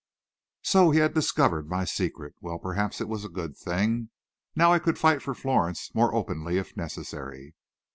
So he had discovered my secret! Well, perhaps it was a good thing. Now I could fight for Florence more openly if necessary.